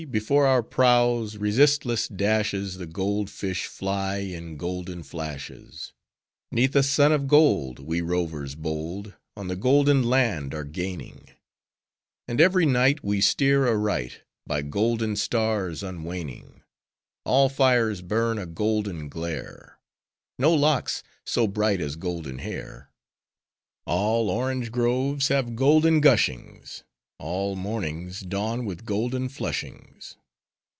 Before our prows' resistless dashes, The gold fish fly in golden flashes! 'Neath a sun of gold, We rovers bold, On the golden land are gaining; And every night, We steer aright, By golden stars unwaning! All fires burn a golden glare: No locks so bright as golden hair! All orange groves have golden gushings: All mornings dawn with golden flushings!